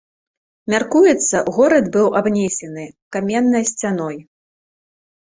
Мяркуецца, горад быў абнесены каменнай сцяной.